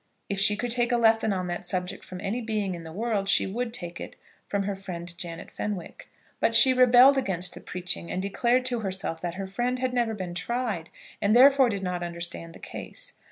If she could take a lesson on that subject from any human being in the world, she would take it from her friend Janet Fenwick. But she rebelled against the preaching, and declared to herself that her friend had never been tried, and therefore did not understand the case.